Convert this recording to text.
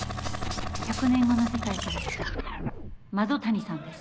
１００年後の世界から来たマド谷さんです。